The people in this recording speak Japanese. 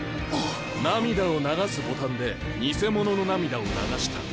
涙を流すボタンで偽物の涙を流した。